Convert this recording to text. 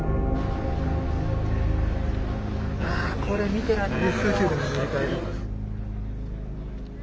あこれ見てられない。